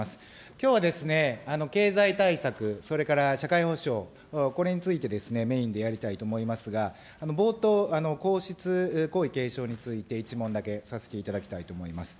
きょうはですね、経済対策、それから社会保障、これについてですね、メインでやりたいと思いますが、冒頭、皇室、皇位継承について、１問だけさせていただきたいと思います。